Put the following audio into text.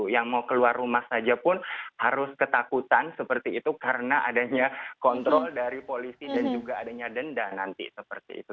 yang mau keluar rumah saja pun harus ketakutan seperti itu karena adanya kontrol dari polisi dan juga adanya denda nanti seperti itu